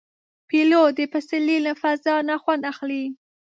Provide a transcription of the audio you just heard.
پیلوټ د پسرلي له فضا نه خوند اخلي.